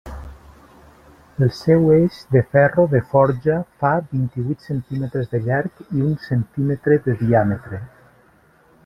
El seu eix de ferro de forja fa vint-i-huit centímetres de llarg i un centímetre de diàmetre.